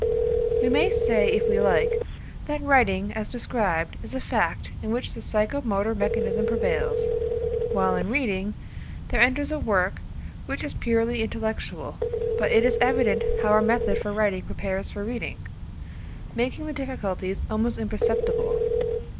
We may say, if we like, that writing as described is a fact in which the psycho motor mechanism prevails, while in reading, there enters a work which is purely intellectual. But it is evident how our method for writing prepares for reading, making the difficulties almost imperceptible.